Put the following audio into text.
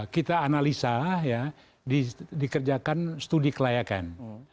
kita analisa ya dikerjakan studi kelayakan